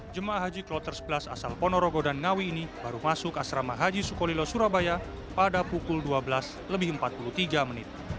jemaah haji kloter sebelas asal ponorogo dan ngawi ini baru masuk asrama haji sukolilo surabaya pada pukul dua belas lebih empat puluh tiga menit